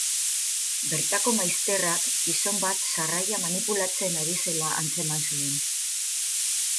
Bertako maizterrak gizon bat sarraila manipulatzen ari zela antzeman zuen.